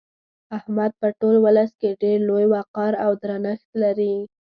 احمد په ټول ولس کې ډېر لوی وقار او درنښت لري.